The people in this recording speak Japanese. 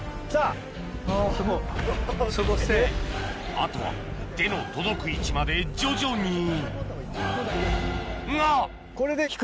あとは手の届く位置まで徐々にが！これで引く？